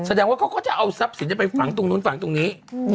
แสดงว่าเขาก็จะเอาทรัพย์สินไปฝังตรงนู้นฝังตรงนี้